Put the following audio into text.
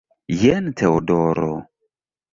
Jen Teodoro!